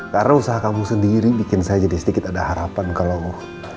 karena usaha kamu sendiri bikin saya jadi sedikit ada harapan kalau